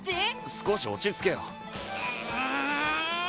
少し落ち着けよう！